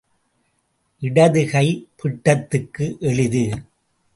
இடது கை பிட்டத்துக்கு எளிது.